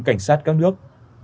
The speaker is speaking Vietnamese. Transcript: cảnh sát các nước